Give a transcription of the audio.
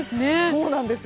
そうなんです。